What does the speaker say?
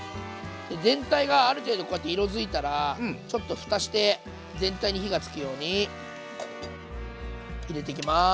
全体がある程度こうやって色づいたらちょっとふたして全体に火がつくように入れていきます。